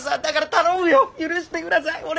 だから頼むよ許してください。